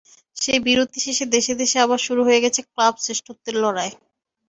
সেই বিরতি শেষে দেশে দেশে আবার শুরু হয়ে গেছে ক্লাব শ্রেষ্ঠত্বের লড়াই।